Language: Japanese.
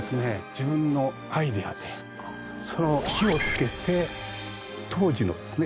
自分のアイデアで火をつけて当時のですね